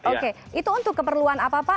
oke itu untuk keperluan apa pak